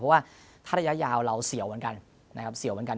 เพราะว่าถ้าระยะยาวเราเสี่ยวเหมือนกัน